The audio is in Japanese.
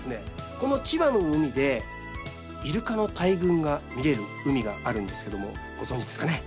この千葉の海でイルカの大群が見れる海があるんですけどもご存じですかね？